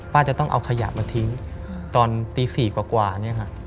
จะต้องเอาขยะมาทิ้งตอนตี๔กว่าเนี่ยค่ะ